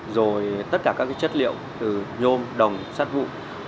rồi tất cả các chất liệu từ nhôm đồng sắt vụ